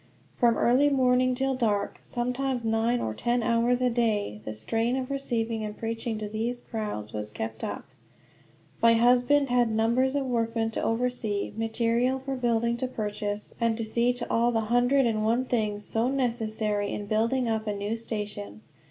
From early morning till dark, sometimes nine or ten hours a day, the strain of receiving and preaching to these crowds was kept up. My husband had numbers of workmen to oversee, material for building to purchase, and to see to all the hundred and one things so necessary in building up a new station.